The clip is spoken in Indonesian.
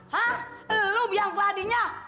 hah lu biang kladinya